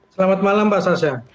selamat malam mbak sasha